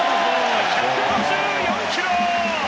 １５４キロ！